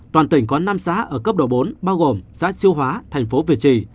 toàn tỉnh có năm xã ở cấp độ bốn bao gồm xã chiêu hóa thành phố việt trì